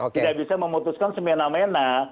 tidak bisa memutuskan semena mena